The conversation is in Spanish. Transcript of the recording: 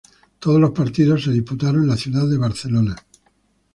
Todos los partidos se disputaron en la ciudad de Barcelona.